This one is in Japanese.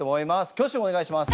挙手をお願いします。